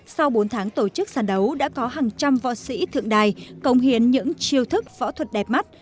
sau bốn tháng tổ chức sản đấu đã có hàng trăm võ sĩ thượng đài cống hiến những chiêu thức võ thuật đẹp mắt